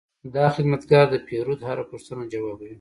دا خدمتګر د پیرود هره پوښتنه ځوابوي.